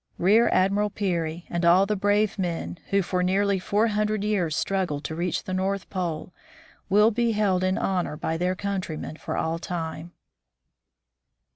Rear Admiral Peary and all the brave men, who for nearly four hundred years struggled to reach the North Pole, will be held in honor by their countrymen for all time.